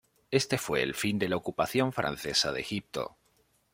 Este fue el fin de la ocupación francesa de Egipto.